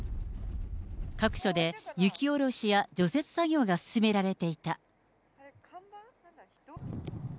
各所で雪下ろしや除雪作業が進められていた。